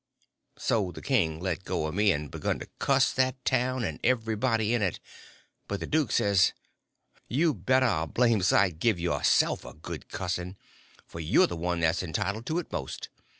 So the king let go of me, and begun to cuss that town and everybody in it. But the duke says: "You better a blame' sight give yourself a good cussing, for you're the one that's entitled to it most.